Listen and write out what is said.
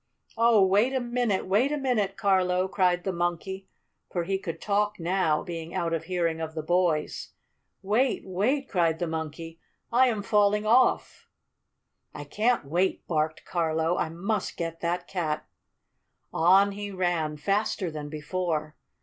"Oh, wait a minute! Wait a minute, Carlo!" cried the Monkey, for he could talk now, being out of hearing of the boys. "Wait! Wait!" cried the Monkey. "I am falling off!" "I can't wait!" barked Carlo. "I must get that cat!" On he ran, faster than before.